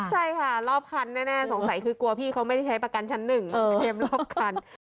ใช่ค่ะรอบคันแน่สงสัยคือกลัวพี่เขาไม่ได้ใช้ประกันชั้นหนึ่งเตรียมรอบคัน